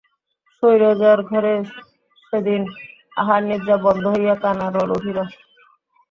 শৈলজার ঘরে সেদিন আহারনিদ্রা বন্ধ হইয়া কান্নার রোল উঠিল।